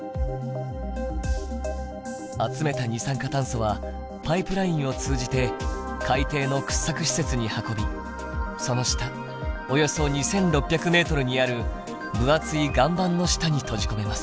集めた二酸化炭素はパイプラインを通じて海底の掘削施設に運びその下およそ２，６００メートルにある分厚い岩盤の下に閉じ込めます。